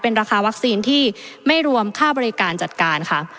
ราคาวัคซีนที่ไม่รวมค่าบริการจัดการค่ะ